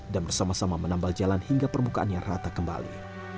dan bersama sama menambal jalan hingga permukaannya rata kembali